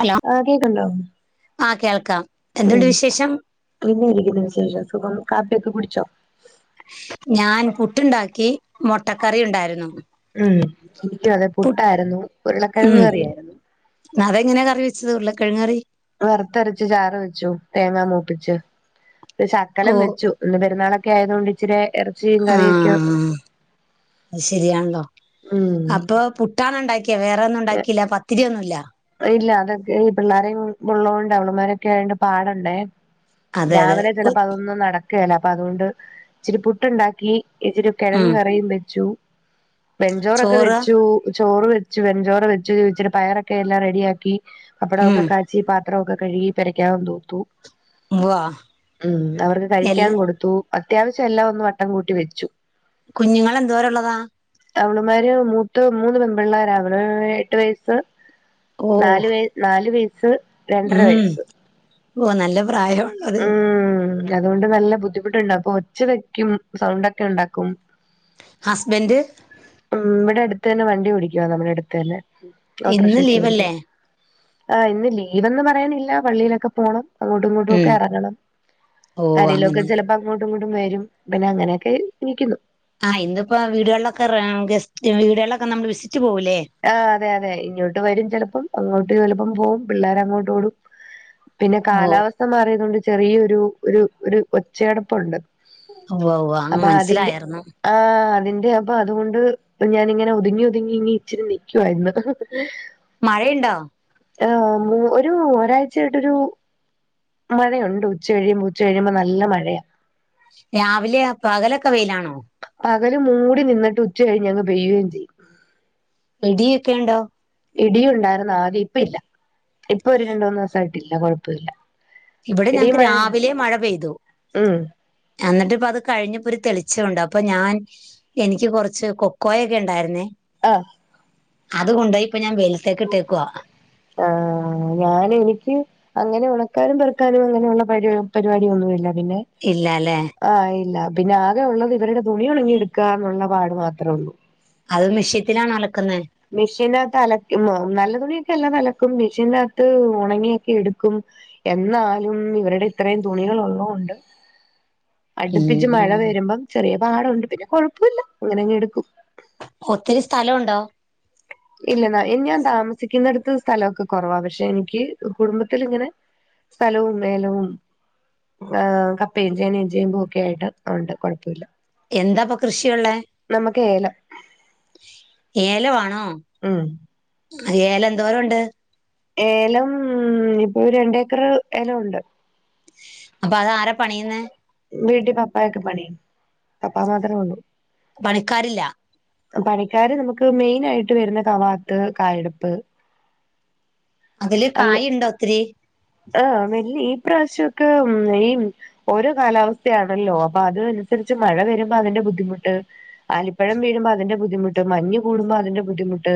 Hello ആഹ് കേക്ക്ണ്ടോ? ആ കേൾക്കാം എന്തുണ്ട് ഉം വിശേഷം എന്നാ ഇരിക്കുന്നു വിശേഷം? സുഖം. കാപ്പ്യൊക്കെ കുടിച്ചോ? ഞാൻ പുട്ട്ണ്ടാക്കി മൊട്ടക്കറിയുണ്ടായിരുന്നു. ഉം ഇൻക്കു അതെ പുട്ടായിരുന്നു. ഉരുളക്കെഴങ്ങ് കറിയായിരുന്നു. അതെങ്ങനെ കറി വെച്ചത് ഉരുളകിഴങ്ങറി? വർത്തരച്ച് ചാറ് വെച്ചു തേങ്ങാ മൂപ്പിച്ച് ഓ ഒരുശക്കലം വെച്ചു. ഇന്ന് പെര്ന്നാളൊക്ക്യായതോണ്ട് ഇച്ചിരേ എറ ഉം അത് ശെരിയാണല്ലോ ഉം അപ്പൊ പു ട്ടാണോ ണ്ടാക്ക്യേ വേറൊന്നുണ്ടാക്കില്ല പത്തിരിയൊന്നുല്ല. ഇല്ല അതൊക്കെ ഈ പിള്ളാരേം മ്പുള്ളോണ്ടാണ് അവളമാരൊക്കായോണ്ട് പാടല്ലേ. അതെ അതെ രാവിലെ കു ചെലപ്പോ അതൊന്നും നട ക്കേല അപ്പൊ അതോണ്ട് ഇച്ചിരി പുട്ട്ണ്ടാക്കി ഇച്ചിരി കെഴങ്ങ് ഉം കറിയും വെച്ചു. വെഞ്ചോറൊക്കെ ചോറ് വെച്ചു ചോറ് വെച്ചു വെഞ്ചോറ് വെച്ചു ഇച്ചിരെ പയറൊക്കെ എല്ലാം റെഡിയാക്കി പപ്പട ഒക്കെ ഉം കാച്ചി പാത്രമൊക്കെ കഴുകി പേരയ്ക്കകം തൂത്തു. വാ ഉം അവർക്ക് കഴിക്കാൻ എല്ലാ കൊടുത്തു. അത്യാവശ്യം എല്ലാം ഒന്ന് വട്ടം കൂട്ടി വെച്ചു. കുഞ്ഞുങ്ങളെ ന്തോരള്ളതാ? അവള്മ്മാര് മൂത്ത് മൂന്ന് പെമ്പിള്ളേരാക്ണ് എട്ട് വയസ്സ്. ഓ നാല് വയ നാല് വയസ്സ്. രണ്ടര ഉം വയസ്സ് ഓഹ് നല്ല പ്രായോണ്. ഉം അതോണ്ട് നല്ല ബുദ്ധിമുട്ട്ണ്ട് അപ്പൊ ച്ചവെക്കും സൗണ്ടൊക്കെണ്ടാക്കും. ഹസ്ബൻഡ് ഉം ഇവട ട്ത്തെന്നെ വണ്ടി ഓടിക്കുവാ നമ്മടെ അട്ത്തെന്നെ ഓട്ടർഷ ഇന്ന് ക്ക്യോടിക്കും. ലീവല്ലേ ആഹ് ഇന്ന് ലീവെന്ന് പറയാനില്ല പള്ളിയിലൊക്കെ പോണം അങ്ങോട്ടുങ്ങോ ഉം ക്കെറങ്ങണം ഓ ആരെലൊക്കെ അങ്ങനെ ചെലപ്പോ അങ്ങോട്ടു ഇങ്ങോട്ടും വെരും പിന്നെ അങ്ങനെയൊക്കെ ഇരിക്കുന്നു. ആഹ് ഇന്ന്പ്പോ വീടുകളിലൊക്കെ റാ ഗസ്റ്റ് വീടുകളിലൊക്കെ നമ്മള് വിസിറ്റ് പോകൂല്ലേ. ആഹ് അതെ യതെ ഇങ്ങോട്ട് വരും ചെലപ്പം അങ്ങോട്ട് ചെലപ്പം പോവും പിള്ളേര ങ്ങോട്ടോടും പിന്നെ ഓ കാലാവസ്ഥ മാറിയതോണ്ട് ചെറിയൊരു ഒരു ഒരു ഒച്ചയടപ്പുണ്ട്. ഉവ്വാ ഉവ്വാ ഉം അപ്പൊ അതിന്റെ മൻസ്സിലായാര്ന്ന്. ആഹ് അതിന്റെ അപ്പൊ അത്കൊണ്ട് ഞാനിങ്ങനെ ഒതുങ്ങി ഒതുങ്ങി ങ്ങി ഇച്ചിരി നിക്കുവായിര്ന്ന്. മഴയ്ണ്ടോ ആഹ് ഒരു ഒരാഴ്ചായിട്ടൊരു മഴയുണ്ട് ഉച്ച കഴിയുമ്പൊ ഉച്ച കഴിയുമ്പൊ നല്ല മഴയാ രാവിലെ പകലൊക്കെ വെയിലാണോ പകല് മൂടി നിന്നിട്ട് ഉച്ച കഴിഞ്ഞങ്ങ് പെയ്യും ചെയ്യും ഇടിയൊക്കെ ഇണ്ടോ ഇടിയുണ്ടായിര്ന്നു ആദ്യം ഇപ്പ ഇല്ല ഇപ്പൊ ഒരു രണ്ട് മൂന്ന് ദിവസായിട്ടില്ല കൊഴപ്പല്ല ഇവിടെ ഞങ്ങക്ക് രാവിലെ മഴ പെയ്തു ഉം എന്നിട്ട് ഇപ്പ അത് കഴിഞ്ഞപ്പൊ ഒരു തെളിച്ച ഉണ്ട് അപ്പൊ ഞാൻ എനിക്ക് കൊറച്ച് കൊക്കോയൊക്കെ ഉണ്ടായിരുന്നേ ആഹ് അതുകൊണ്ടോയി ഇപ്പ ഞാൻ വെയിലത്തേക്ക് ഇട്ടേക്കുവാ ആഹ് ആ ഞാന് എനിക്ക് അങ്ങനെ ഉണക്കാനും പെറുക്കാനും അങ്ങനെയുള്ള പ പരിപാടിയൊന്നുമില്ല പിന്നെ ഇല്ല ല്ലേ ആഹ് ഇല്ല പിന്നെ ആകെ ഉള്ളത് ഇവരുടെ തുണി ഉണങ്ങിയെടുക്കന്നുള്ള പാട് മാത്രേ ഒള്ളൂ അത് മിഷ്യത്തിലാണോ അലക്കുന്നേ മിഷീനകത്ത് അലക്കും നല്ല തുണിയൊക്കെ എല്ലാം അലക്കും മെഷീനകത്ത് ഒണങ്ങിയൊക്കെ എടുക്കും എന്നാലും ഇവരുടെ ഇത്രയും തുണികൾ ഉള്ളോണ്ട് ഉം അടുപ്പിച്ച് മഴ ഉം വരുമ്പം ചെറിയ പാടം ഉണ്ട് പിന്നെ കൊഴൊപ്പ ഇല്ല അങ്ങനെ ഇങ്ങട്ക്കും ഒത്തിരി സ്ഥലോണ്ടോ ഇല്ലെന്നാ ഞാൻ താമസിക്കുന്നേട്ത്ത് സ്ഥലം ഒക്കെ കൊറവാ പക്ഷേ എനിക്ക് കുടുംബത്തിൽ ഇങ്ങനെ സ്ഥലവും മേലവും ഏഹ് കപ്പയും ചേനയും ചേമ്പും ഒക്കെ ആയിട്ട് ഉണ്ട് കൊഴപ്പൊ ഇല്ല എന്താപ്പൊ കൃഷിയുള്ളെ നമുക്ക് ഏലം ഏലം വാണോ ഉം ഏലം എന്തോരം ഉണ്ട് ഏലം ഇപ്പൊ രണ്ടേക്കറ ഏലം ഉണ്ട് അപ്പൊ അത് ആരാ പണിയ്ന്നേ വീട്ടിൽ പപ്പയൊക്കെ പണിയും പപ്പാ മാത്രേ ഒള്ളൂ പണിക്കാരില്ല പണിക്കാര് നമുക്ക് മെയിനായിട്ട് വരുന്ന കവാത്ത് കായെടുപ്പ് അതില് അങ്ങ കായണ്ടോ ഒത്തിരി ആഹ് മെല്ലേ ഇപ്രാവശ്യം ഒക്കെ ഉം ഈ ഓരോ കാലാവസ്ഥയാണല്ലോ അപ്പോ അത് അനുസരിച്ച് മഴ വരുമ്പൊ അതിന്റെ ബുദ്ധിമുട്ട് ആലിപ്പഴം വീഴുമ്പോ അതിന്റെ ബുദ്ധിമുട്ട് മഞ്ഞ് കൂടുമ്പോ അതിന്റെ ബുദ്ധിമുട്ട്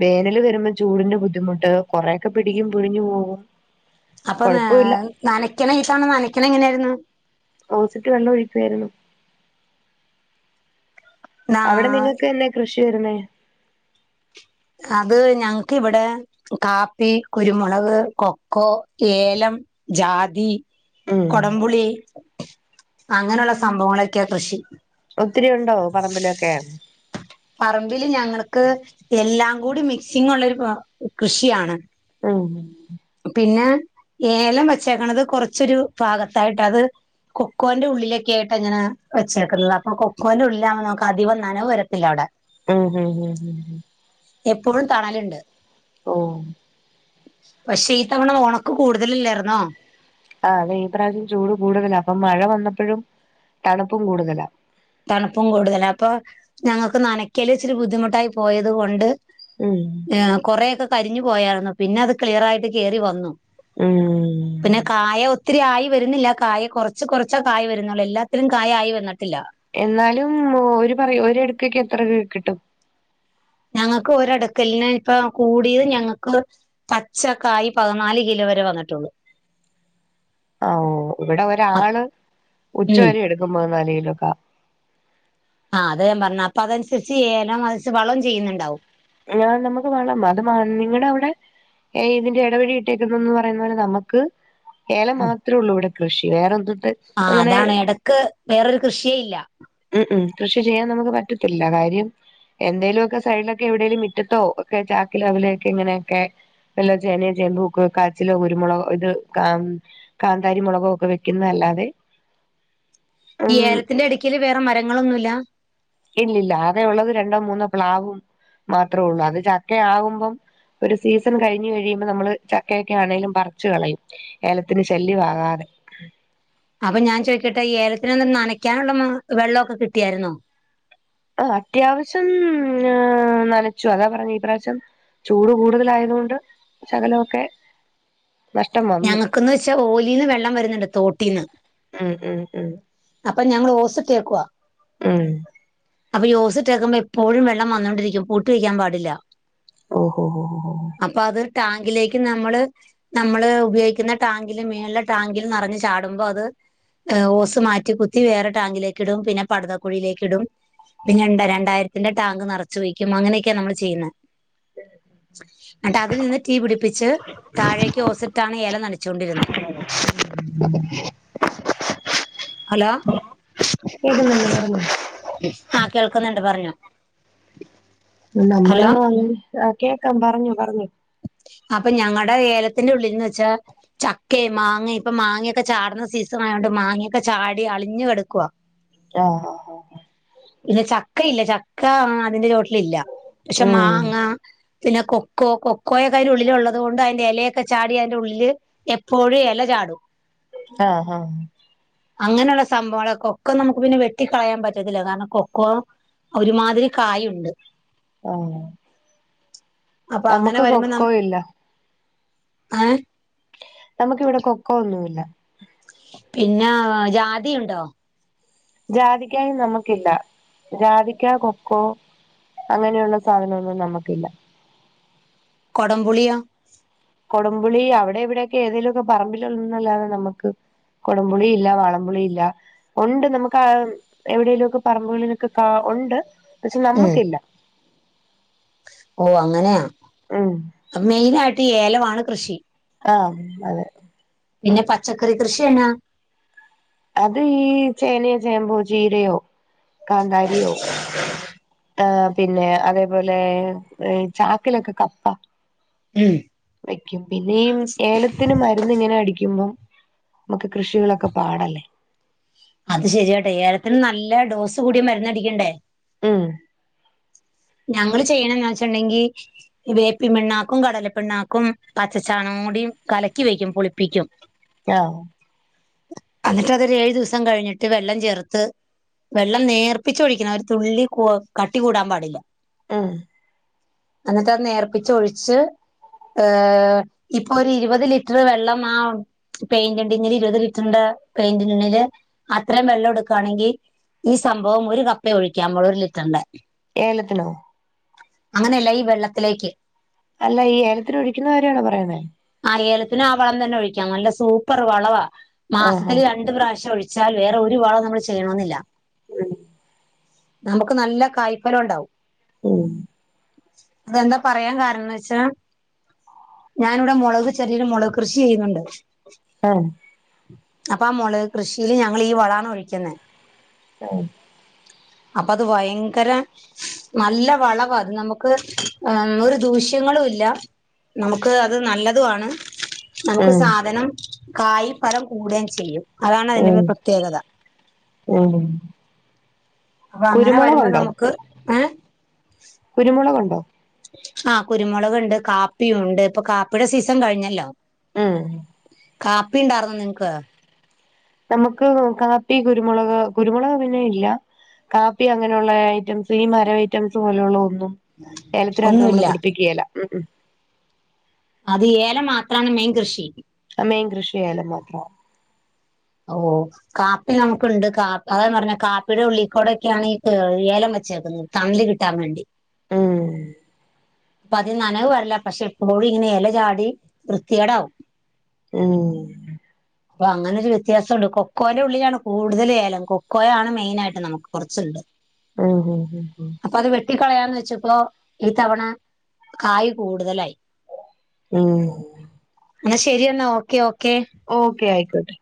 വേനല് വരുമ്പൊ ചൂടിന്റെ ബുദ്ധിമുട്ട് കൊറേക്കെ പിടിക്കും പിഴിഞ്ഞു പോകും അപ്പോ ന കൊഴപ്പമില്ല നനയ്ക്ക്നേസം നനക്കല് എങ്ങനെ ആയിരുന്നു ഓസിറ്റ് വെള്ളം ഒഴിക്കായിരുന്നു നാ അവിടെ നിങ്ങൾക്ക് എന്നേ കൃഷി വരുന്നേ അത് ഞങ് ക്ക് ഇവിടെ കാപ്പി, കുരുമുളക്, കൊക്കോ, ഏലം ജാതി ഉം കൊടംപുളി അങ്ങനെ ഉള്ള സംഭവങ്ങളൊക്കെ കൃഷി ഒത്തിരി ഉണ്ടോ പറമ്പിലൊക്കെ പറമ്പില് ഞങ്ങൾക്ക് എല്ലാം കൂടി മിക്സിംങ് ഉള്ളൊരു ആഹ് കൃഷി ആണ് ഉം പിന്നെ ഏലം വെച്ചേക്കണത് കൊറച്ചൊരു ഭാഗത്തായിട്ടാ അത് കൊക്കോന്റെ ഉള്ളിലൊക്കെ ആയിട്ട് അങ്ങനെ വെച്ചേക്കുന്നത് അപ്പോ കൊക്കോന്റെ ഉള്ളിലാവുമ്പോ നമ്മുക്ക് അധികം നനവ് വരുത്തില്ല അവിടെ ഉം ഉം ഉം ഉം എപ്പോഴും തണലുണ്ട് ഓ പക്ഷേ ഈ തവണ ഒണക്ക് കൂടുതലില്ലായിരുന്നോ ആഹ് അതെ ഈ പ്രാവശ്യം ചൂട് കൂടുതലാ അപ്പം മഴ വന്നപ്പഴും തണുപ്പും കൂടുതലാ തണുപ്പും കൂടുതലാ അപ്പോ ഞങ്ങൾക്ക് നനക്കല് ഇച്ചിരി ബുദ്ധിമുട്ടായി പോയത് കൊണ്ട് ഉം ആഹ് കുറെയൊക്കെ കരിഞ്ഞു പോയായിരുന്നു പിന്നെ അത് ക്ലിയറായിട്ട് കേറി വന്നു ഉം പിന്നെ കായ ഒത്തിരി ആയി വരുന്നില്ല കായ കൊറച്ച് കൊറച്ചാ കായ് വരുന്നൊള്ളൂ എല്ലാത്തിലും കായ് ആയി വന്നിട്ടില്ല എന്നാലും ഒരു പറയും ഒരു അടുക്കക്ക് എത്ര [unintelligible] കിട്ടും ഞങ്ങൾക്ക് ഒരടുക്കലിന് ഇപ്പ കൂടിയത് ഞങ്ങൾക്ക് പച്ചക്കായ് പതിനാല് കിലോ വരെ വന്നിട്ടൊള്ളൂ ആഹ് ഒ ഇവിടെ ഒരാള് ഉം ഉച്ചവരെ എട്ക്കും പതിനാല് കിലൊക്കാ ആഹ് അതാ ഞാൻ പറഞ്ഞേ അപ്പ അതനുസരിച്ച് ഏലം [unintelligible] വളം ചെയ്യുന്നുണ്ടാവും ഞാൻ നമ്മുക്ക് വേണം അത് നിങ്ങള അവ്ടെ ഏഹ് ഇതിന്റെ ഇടവഴി ഇട്ടേക്കുന്നുന്ന് പറയുന്ന പോലെ നമ്മുക്ക് ഏലം മാത്രേ ഉള്ളൂ ഇവിടെ കൃഷി വേറെ എന്തൂട്ട് ആഹ് അതാണ് ഇടക്ക് വേറൊരു കൃഷിയേ ഇല്ല [unintelligible] കൃഷി ചെയ്യാൻ നമ്മുക്ക് പറ്റത്തില്ല കാര്യം എന്തേലുക്കെ സൈഡിലൊക്കെ എവിടെലും മുറ്റത്തോ ഒക്കെ ചാക്കി [unintelligible] ഇങ്ങനെയൊക്കെ വല്ല ചേനയും ചേമ്പൂക്ക് കാച്ചിലോ കുരുമുളക് ഇത് കാ കാന്താരി മുളകോ ഒക്കെ വെക്കുന്ന അല്ലാതെ ഈ ഏലത്തിന്റെ ഇടക്കൽ വേറെ മരങ്ങളൊന്നും ഇല്ല ഇല്ലില്ല ആകെ ഉള്ളത് രണ്ടോ മൂന്നോ പ്ലാവും മാത്രമേ ഉള്ളൂ അത് ചക്ക ആകുമ്പം ഒരു സീസൺ കഴിഞ്ഞ് കഴിയുമ്പോൾ നമ്മള് ചക്കയൊക്കെ ആണേലും പറച്ച് കളയും ഏലത്തിന് ചല്ലി [unintelligible] അപ്പൊ ഞാൻ ചോദിക്കട്ടെ ഈ ഏലത്തിനന്നരം നനക്കാനുള്ള വെള്ളൊക്കെ കിട്ടിയായിരുന്നോ ആഹ് അത്യാവശ്യം ആഹ് നനച്ചു അതാ പറഞ്ഞെ ഈ പ്രാവശ്യം ചൂട് കൂടുതലായതുകൊണ്ട് ശകലമൊക്കെ നഷ്ടം വന്നു ഞങ്ങൾക്കെന്ന് വെച്ചാ ഓലിന്ന് വെള്ളം വരുന്നുണ്ട് തോട്ടീന്ന് ഉം ഉം ഉം അപ്പൊ ഞങ്ങള് ഓസ് ഇട്ടേക്കുവാ ഉം അപ്പൊ ഈ ഓസിട്ടേക്കുമ്പം എപ്പോഴും വെള്ളം വന്നോണ്ടിരിക്കും [unintelligible] വെക്കാൻ പാടില്ല ഓഹോ ഓ ഓ അപ്പം അത് ടാങ്കിലേക്ക് നമ്മള് നമ്മള് ഉപയോഗിക്കുന്ന ടാങ്കിലും മേളിലെ ടാങ്കിലും നറഞ്ഞ് ചാടുമ്പോൾ അത് ഓസ് മാറ്റി കുത്തി വേറെ ടാങ്കിലേക്ക് ഇടും പിന്നെ പടതക്കുഴിയിലേക്ക് ഇടും പിന്നെ രണ്ട രണ്ടായിരത്തിന്റെ ടാങ്ക് നറച്ചു വയ്ക്കും അങ്ങനെയൊക്കെയ നമ്മൾ ചെയ്യുന്നെ എന്നിട്ട് അതിൽ നിന്ന് [unintelligible] പിടിപ്പിച്ച് താഴേക്ക് ഓസ് ഇല നനച്ചുകൊണ്ടിരുന്നു. ഹലോ ഇതു മെല്ലെ പറഞ്ഞു. ആഹ് കേൾക്കുന്നുണ്ട് പറഞ്ഞോ? നമ്മള് ഹലോ വാങ്ങി, കേക്കാം പറഞ്ഞോ പറഞ്ഞോ. അപ്പൊ ഞങ്ങളുടെ ഏലത്തിന്റെ ഉള്ളിൽ നിന്ന് വെച്ചാൽ. ചക്കയും മാങ്ങയും ഇപ്പൊ മാങ്ങയൊക്കെ ചാടുന്ന സീസൺ ആയതോണ്ട് മാങ്ങയൊക്കെ ചാടി അളിഞ്ഞു കെടുക്കുവാ. ആഹ് ആഹ് ഇത് ചക്കയില്ലേ ചക്ക അതിന്റെ ചുവട്ടിൽ ഇല്ല, പക്ഷെ ആഹ് ഉം മാങ്ങ. പിന്നെ കൊക്കോ കൊ കൊറെ കാര്യം ഉള്ളിലുള്ളത് കൊണ്ട് അതിന്റെ ഇലയൊക്കെ ചാടി അതിന്റെ ഉള്ളില് എപ്പോഴും ഇല ചാടും. ആഹ് ആഹ്. അങ്ങനെയുള്ള സംഭവങ്ങൾ കൊക്കോ നമുക്ക് പിന്നെ വെട്ടിക്കളയാൻ പറ്റത്തില്ല, കാരണം കൊക്കോ. ഒരുമാതിരി കായുണ്ട്. ആഹ് അപ്പൊ അങ്ങനെ നമുക്ക് വരുമ്പോൾ, കൊക്കോ ഇല്ല ആഹ്. നമുക്ക് ഇവിടെ കൊക്കോ ഒന്നുമില്ല. പിന്നെ ജാതിയുണ്ടോ? ജാതിക്കായും നമുക്കില്ല ജാതിക്ക കൊക്കോ. അങ്ങനെയുള്ള സാധനമൊന്നും നമുക്കില്ല. കൊടംപുളിയോ? കൊടപുളി അവിടെ ഇവിടെയൊക്കെ ഏതെങ്കിലും ഒക്കെ പറമ്പിലുള്ള എന്നു അല്ലാതെ നമുക്ക്. കൊടംപുളി ഇല്ല വാളം പുളി ഇല്ല. ഉണ്ട് നമുക്ക് ആഹ് എവിടേലും ഒക്കെ പറമ്പുകളിൽ ഒക്കെ കാ ഉണ്ട്. പക്ഷെ നമ്മുക്കില്ല. ഓഹ് അങ്ങനെയാ ഉം മെയിൻ ആയിട്ട് ഏലമാണ് കൃഷി. ആഹ് അതെ. പിന്നെ പച്ചക്കറി കൃഷി എന്നാ. അത് ഈ ചേനയോ ചേമ്പോ ചീരയോ കാന്താരിയോ. ആഹ് പിന്നെ അതേപോലെ ചാക്കിലൊക്കെ കപ്പ. ഉം വെയ്ക്കും പിന്നെ ഏലം. ത്തിന് മരുന്ന് ഇങ്ങനെ അടിക്കുമ്പോ നമുക്ക് കൃഷികളൊക്കെ പാടല്ലേ. അത് ശരിയാട്ടെ ഏലത്തിന് നല്ല ഡോസ് കൂടിയ മരുന്ന് അടിക്കണ്ടേ. ഉം ഞങ്ങള് ചെയ്യണയെന്ന് വെച്ചുണ്ടെങ്കിൽ. വേപ്പും പിണ്ണാക്കും കടല പിണ്ണാക്കും പച്ചച്ചാണകം കൂടി കലക്കി വെക്കും പുളിപ്പിക്കും. ആഹ് ആഹ് എന്നിട്ട് അതൊരു ഏഴു ദിവസം കഴിഞ്ഞിട്ട് വെള്ളം ചേർത്ത്. വെള്ളം നേർപ്പിച്ചൊഴിക്കണം ഒരു തുള്ളി കൂ കട്ടി കൂടാൻ പാടില്ല. ആഹ് എന്നിട്ട് അത് നേർപ്പിച്ച് ഒഴിച്ച്. ഏഹ് ഇപ്പൊ ഒരു ഇരുപത് ലിറ്റർ വെള്ളം ആഹ്. പെയിന്റ് ടിന്നില് ഇരുപത് ലിറ്ററിന്റെ പെയിന്റി ടിന്നില് അത്രയും വെള്ളം എടുക്കായാണെങ്കിൽ ഈ സംഭവം ഒരു കപ്പ ഒഴിക്കാൻ്പോൾ ഒരു ലിറ്ററിൻ്റെ ഏലത്തിനോ? അങ്ങനെയല്ല ഈ വെള്ളത്തിലേക്ക് അല്ല ഈ ഏലത്തിന് ഒഴിക്കുന്ന കാര്യണോ പറയണേ? ആ ഏലത്തിന് ആ വളം തന്നെ ഒഴിക്കാം നല്ല സൂപ്പർ വളവ ആഹാ മാസത്തില് രണ്ടു പ്രാവശ്യം ഒഴ വച്ചാൽ വേറെ ഒരു വളം നമ്മൾ ചെയ്യണമെന്നില്ല. ഉം നമുക്ക് നല്ല കായ്ഫലം ഉണ്ടാവും ഉം അതെന്താ പറയാൻ കാരണംന്ന് വെച്ചാ ഞാനിവിടെ മുളക് ചെറിയൊരു മുളക് കൃഷി ചെയ്യുന്നുണ്ട്. ആഹ അപ്പൊ ആ മെളക് കൃഷിയില് ഞങ്ങള് ഈ വളാണ് ഒഴിക്കുന്നത്. [unintelligible] അപ്പൊ അത് ഭയങ്കര നല്ല വളവാ അത് നമുക്ക് ഒരു ദൂഷ്യങ്ങളും ഇല്ല. നമുക്ക് അത് നല്ലതുവാണ് നമുക്ക് ഉം സാധനം കായ് ഫലം കൂടുകയും ചെയ്യും അതാണ് ഉം അതിന്റെ പ്രത്യേകത. ഉം അപ്പൊ അങ്ങനെ വരുമ്പോ കുരുമുളകുണ്ടോ നമുക്ക് ഏഹ് കുരുമുളകുണ്ടോ? ആഹ കുരുമുളകുണ്ട്. കാപ്പിയും ഉണ്ട്. ഇപ്പൊ കാപ്പിയുടെ സീസൺ കഴിഞ്ഞല്ലോ. ഉം കാപ്പി ഉണ്ടായിർന്ന നിങ്ങക്ക് നമുക്ക് കാപ്പി കുരുമുളക് കുരുമുളക് പിന്നെ ഇല്ല. കാപ്പി അങ്ങനെയുള്ള ഐറ്റംസ് ഈ മര ഐറ്റംസ് പോലെയുള്ള ഒന്നും. ഏലത്തിനകത്ത് നമ്മള് ഒന്നുമില്ല പിടിപ്പിക്കയേല ഉ ഉ അത് ഏലം മാത്രമാണ് മെയിൻ കൃഷി. മെയിൻ കൃഷി ആയാലു മാത്രം അൗ കാപ്പി നമുക്കുണ്ട് കാ അതാന്ന് പറഞ്ഞ കാപ്പിയുടെ ഉള്ളിൽക്കൂടെക്കെയാണ് ഈ ഏലം വച്ചേക്കുന്നത്. തണല് കിട്ടാൻ വേണ്ടി ഉം അപ്പ അതി നനവ് വരില്ല പക്ഷേ എപ്പോഴും ഇങ്ങനെ എല ചാടി വൃത്തികേട ആവും ഉം അപ്പ അങ്ങനൊരു വെ വ്യത്യാസമുണ്ട് കൊക്കോന്റെ ഉള്ളിലാണ് കൂടുതൽ ഏലം കൊക്കോയാണ് മെയിന ആയിട്ട് നമുക്ക് കുറച്ചുണ്ട്. ഉം ഉ ഉ അപ്പൊ അത് വെട്ടിക്കളയാന്ന് വെച്ചപ്പളോ ഈ തവണ കായ് കൂടുതലായി. ഉം എന്നാ ശരിയെന്നാ ഓക്കേ ഓക്കേ ഓക്കെ ആയിക്കോട്ടെ